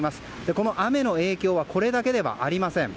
この雨の影響はこれだけではありません。